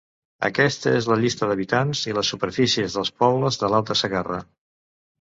Aquesta és la llista d'habitants i les superfícies dels pobles de l'Alta Segarra.